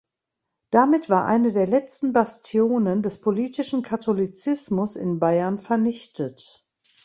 Damit war eine der letzten Bastionen des politischen Katholizismus in Bayern vernichtet.